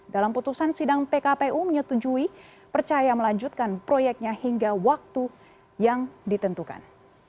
dalam putusan sidang pkpu menyetujui percaya melanjutkan proyeknya hingga waktu yang ditentukan